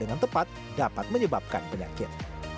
dengan tepat dapat menyebabkan penyakit